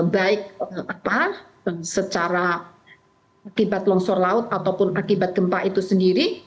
baik secara akibat longsor laut ataupun akibat gempa itu sendiri